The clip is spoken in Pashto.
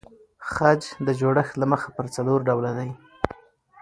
خج د جوړښت له مخه پر څلور ډوله دئ.